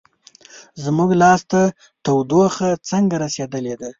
زموږ لاس ته تودوخه څنګه رسیدلې ده؟